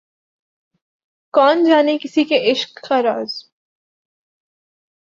کون جانے کسی کے عشق کا راز